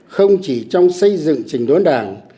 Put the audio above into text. không chỉ trong xây dựng trình đốn đảng